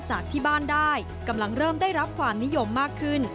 จากที่บ้านได้กำลังเริ่มได้รับความนิยมมากขึ้น